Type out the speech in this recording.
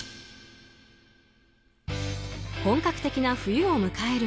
本格的な冬を迎える